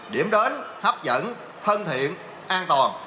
điểm đến hấp dẫn thân thiện an toàn